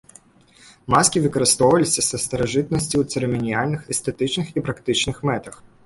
Маскі выкарыстоўваліся са старажытнасці ў цырыманіяльных, эстэтычных, і практычных мэтах.